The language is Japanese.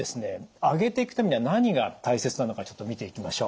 上げていくためには何が大切なのかちょっと見ていきましょう。